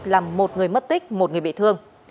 làm một người mất tích một người bị thương